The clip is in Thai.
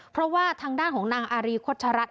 เพราะว่าทางด้านของนางอารีควดชรัตน์